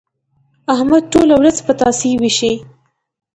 احمد ټوله ورځ پتاسې وېشي.